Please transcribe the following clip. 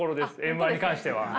Ｍー１に関しては。